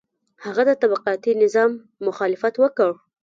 هغه د طبقاتي نظام مخالفت وکړ.